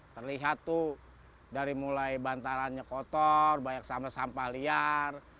terlihat tuh dari mulai bantarannya kotor banyak sampah sampah liar